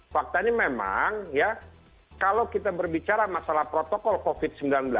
faktanya memang ya kalau kita berbicara masalah protokol covid sembilan belas